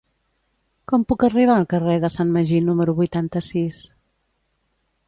Com puc arribar al carrer de Sant Magí número vuitanta-sis?